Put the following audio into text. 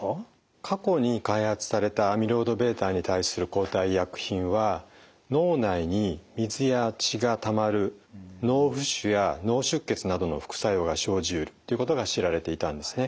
過去に開発されたアミロイドβに対する抗体医薬品は脳内に水や血がたまる脳浮腫や脳出血などの副作用が生じうるということが知られていたんですね。